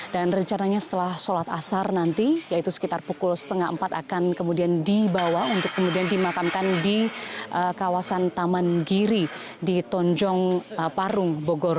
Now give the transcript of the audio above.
dan rencananya setelah sholat asar nanti yaitu sekitar pukul setengah empat akan kemudian dibawa untuk kemudian dimakamkan di kawasan taman giri di tonjong parung bogor jawa tenggara